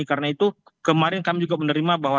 karena itu kemarin kami juga menerima bahwa